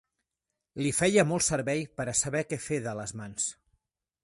Li feia molt servei pera saber què fer de les mans